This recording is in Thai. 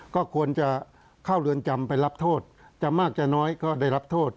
ก็ควรจะเข้าเรือนจำไปรับโทษจะมากจะน้อยก็ได้รับโทษ